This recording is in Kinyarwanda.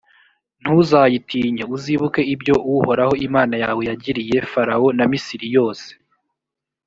ntuzayatinye! uzibuke ibyo uhoraho imana yawe yagiriye farawo na misiri yose,